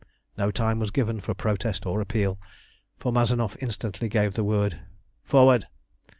No time was given for protest or appeal, for Mazanoff instantly gave the word "Forward!"